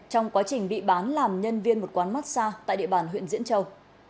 trong quá trình bị bán làm nhân viên một quán massage tại địa bàn huyện diễn châu